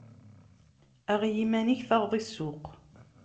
Aɣ i yiman-ik, taɣeḍ i ssuq.